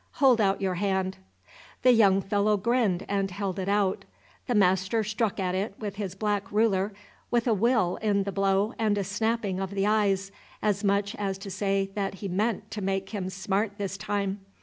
Hold out your hand!" The young fellow grinned and held it out. The master struck at it with his black ruler, with a will in the blow and a snapping of the eyes, as much as to say that he meant to make him smart this time.